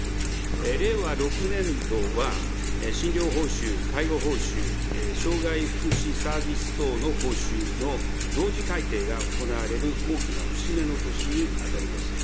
令和６年度は診療報酬、介護報酬、障害福祉サービス等の報酬の同時改定が行われる大きな節目の年に当たります。